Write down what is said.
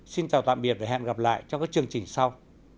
xin chào tạm biệt và hẹn gặp lại trong các chương trình sau